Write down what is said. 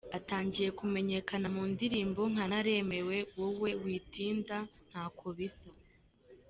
Atangiye kumenyekana mu ndirimbo nka Naremewe wowe, Witinda, Ntako bisa.